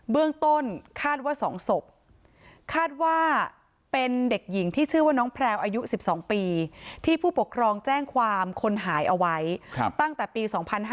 เบื้องต้นคาดว่า๒ศพคาดว่าเป็นเด็กหญิงที่ชื่อว่าน้องแพลวอายุ๑๒ปีที่ผู้ปกครองแจ้งความคนหายเอาไว้ตั้งแต่ปี๒๕๕๙